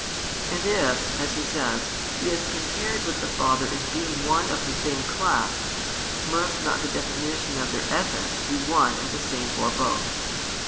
And if, as he says, He is compared with the Father as being one of the same class, must not the definition of Their Essence be one and the same for both?